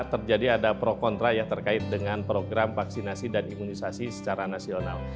terjadi ada pro kontra ya terkait dengan program vaksinasi dan imunisasi secara nasional